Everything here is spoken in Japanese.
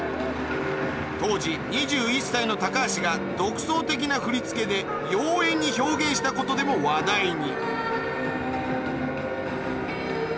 当時２１歳の高橋が独創的な振り付けで妖艶に表現したことでも話題に